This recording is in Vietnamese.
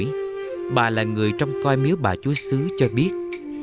cụ úc năm nay đã bảy mươi tuổi bà là người trong coi miếu bà chúa sứ cho biết